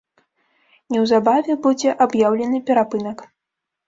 Неўзабаве будзе аб'яўлены перапынак.